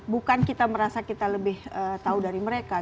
bukan kita merasa kita lebih tahu dari mereka